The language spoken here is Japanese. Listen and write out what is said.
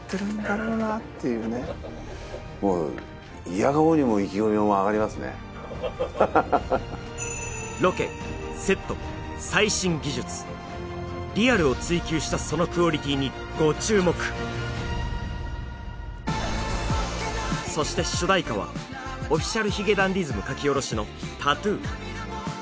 あれ初めて見ましたけどロケセット最新技術リアルを追求したそのクオリティーにご注目そして主題歌はＯｆｆｉｃｉａｌ髭男ｄｉｓｍ書き下ろしの「ＴＡＴＴＯＯ」